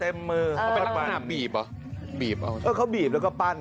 เหมือนในมือซ้าย